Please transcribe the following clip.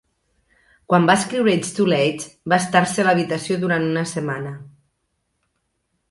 Quan va escriure "It's Too Late" va estar-se a l'habitació durant una setmana.